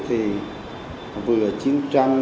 thì vừa chiến tranh